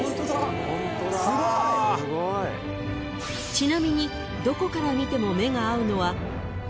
［ちなみにどこから見ても目が合うのは］